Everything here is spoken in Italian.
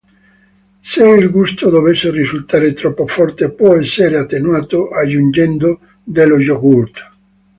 Se il gusto dovesse risultare troppo forte, può essere attenuato aggiungendo dello yogurt.